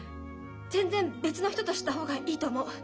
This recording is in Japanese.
全然別の人とした方がいいと思う。